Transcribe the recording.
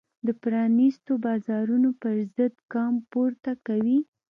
د پرانیستو بازارونو پرضد ګام پورته کوي.